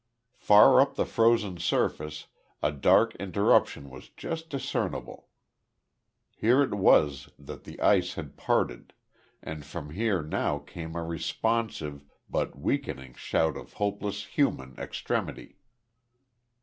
Far up the frozen surface a dark interruption was just discernible. Here it was that the ice had parted, and from here now came a responsive, but weakening shout of hopeless human extremity.